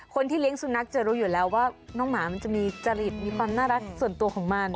คนที่เลี้ยงสุนัขจะรู้อยู่แล้วว่าน้องหมามันจะมีจริตมีความน่ารักส่วนตัวของมัน